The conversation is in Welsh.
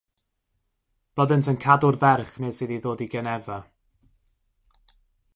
Byddent yn cadw'r ferch nes iddi ddod i Genefa.